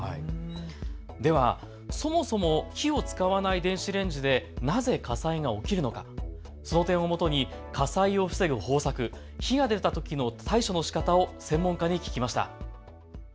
ではそもそも火を使わない電子レンジでなぜ火災が起きるのか、その点をもとに火災を防ぐ方策、火が出たときの対処のしかたを専門家に聞きました。